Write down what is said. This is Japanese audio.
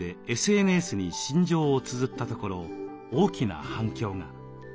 ＳＮＳに心情をつづったところ大きな反響が。